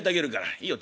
「いいよ